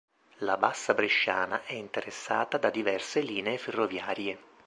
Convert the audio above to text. La Bassa bresciana è interessata da diverse linee ferroviarie.